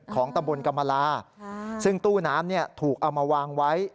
ของตมันกำลาซึ่งตู้น้ำเนี่ยถูกเอามาวางไว้